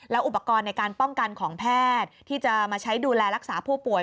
อุปกรณ์ในการป้องกันของแพทย์ที่จะมาใช้ดูแลรักษาผู้ป่วย